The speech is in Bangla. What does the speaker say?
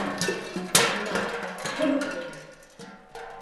না, কোনোভাবেই নয়।